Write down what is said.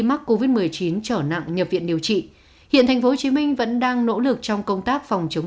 mắc covid một mươi chín trở nặng nhập viện điều trị hiện tp hcm vẫn đang nỗ lực trong công tác phòng chống